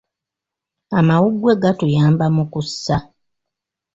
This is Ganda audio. Amawuggwe gatuyamba mu kussa.